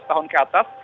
dua belas tahun ke atas